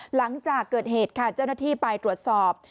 หลังจากเกิดเหตุค่ะเจ้าหน้าที่ไปตรวจสอบ